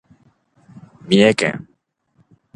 三重県